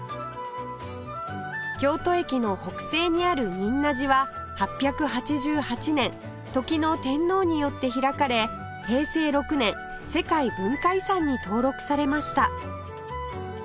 京都駅の北西にある仁和寺は８８８年時の天皇によって開かれ平成６年世界文化遺産に登録されました